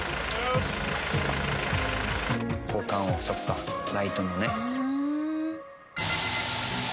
交換をそっかライトのね。